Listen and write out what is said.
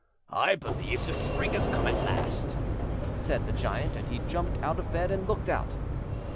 "I believe the Spring has come at last," said the Giant; and he jumped out of bed and looked out.